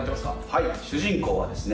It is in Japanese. はい「主人公」はですね